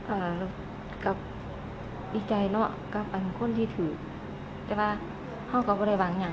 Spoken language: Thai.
อ่าก็พิจัยเนาะก็เป็นคนที่ถือแต่ว่าว่าพวกเขาก็เลยบังงั้น